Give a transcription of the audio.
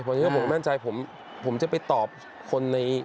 เพราะผมไม่มั่นใจผมจะไปตอบคนใน